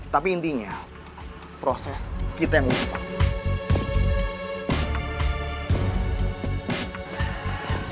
tapi intinya proses kita yang tepat